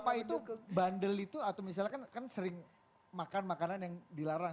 apa itu bandel itu atau misalnya kan sering makan makanan yang dilarang